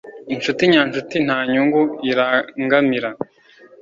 inshuti nyanshuti nta nyungu irangamira